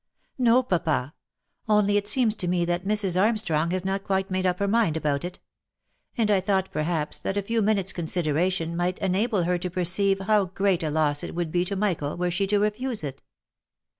u No papa — only it seems to me that Mrs. Armstrong has not quite made up her mind about it ; and I thought perhaps that a few minutes' consideration might enable her to perceive how great a loss it would be to Michael were she to refuse it."